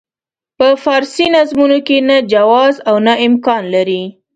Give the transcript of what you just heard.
په فارسي نظمونو کې نه جواز او نه امکان لري.